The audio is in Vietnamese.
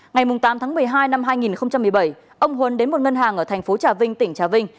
ngày tám tháng một mươi hai năm hai nghìn một mươi bảy ông huấn đến một ngân hàng ở thành phố trà vinh tỉnh trà vinh